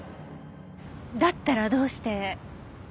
だったらどうして？